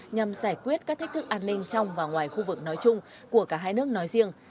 nhằm giải quyết các thách thức an ninh trong và ngoài khu vực nói chung của cả hai nước nói riêng